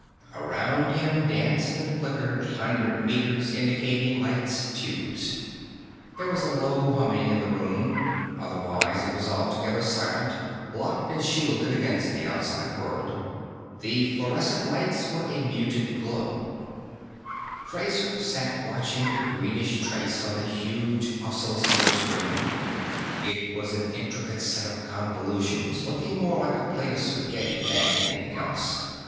Around him danced and flickered a hundred meters, indicator lights, tubes. There was a low humming in the room, otherwise it was altogether silent, blocked and shielded against the outside world. The fluorescent lights were a muted glow. Fraser sat watching the greenish trace on the huge oscilloscope screen. It was an intricate set of convolutions, looking more like a plate of spaghetti than anything else.